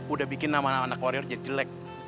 udah bikin nama anak anak warrior jadi jelek